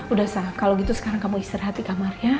udah sa kalau gitu sekarang kamu istirahat di kamar ya